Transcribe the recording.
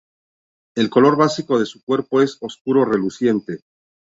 El color básico de su cuerpo es oscuro reluciente.